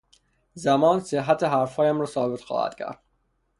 زمان، صحت حرفهایم را ثابت خواهد کرد.